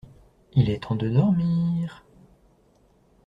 Il est temps de dormir.